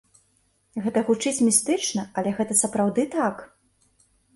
Гэта гучыць містычна, але гэта сапраўды так.